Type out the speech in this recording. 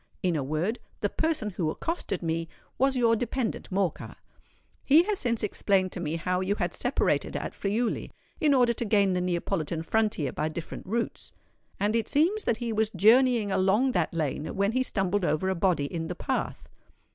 In a word, the person who accosted me, was your dependant Morcar. He has since explained to me how you had separated at Friuli, in order to gain the Neapolitan frontier by different routes; and it seems that he was journeying along that lane, when he stumbled over a body in the path.